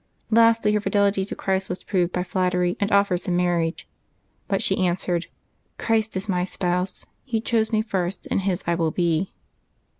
Lastly, her fidelity to Christ was proved by flattery and offers of marriage. But she answered, " Christ is my Spouse : He chose me first, and His I will be."